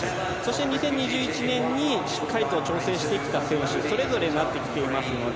２０２１年にしっかりと挑戦してきた選手、それぞれになってきています。